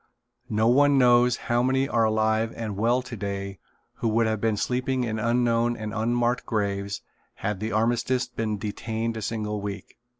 No one knows how many are alive and well today who would have been sleeping in unknown and unmarked graves had the armistice been detained a single week.